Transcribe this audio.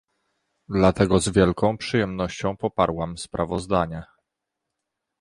Dlatego z wielką przyjemnością poparłam sprawozdanie